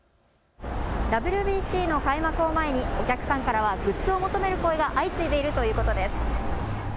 ＷＢＣの開幕を前にお客さんからはグッズを求める声が相次いでいるということです。